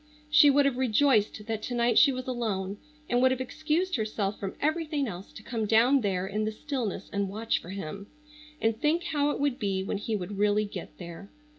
She would have rejoiced that to night she was alone, and would have excused herself from everything else to come down there in the stillness and watch for him, and think how it would be when he would really get there.